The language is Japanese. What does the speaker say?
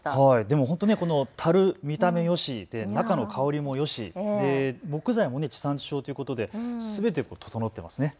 たる、見た目よしで中の香りもよしで木材も地産地消ということですべてが整っていますね。